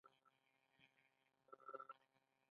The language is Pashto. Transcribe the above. پیسې پیدا کړه.